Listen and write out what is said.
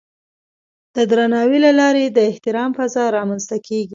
د درناوي له لارې د احترام فضا رامنځته کېږي.